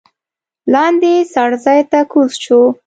لاندې څړځای ته کوز شوو.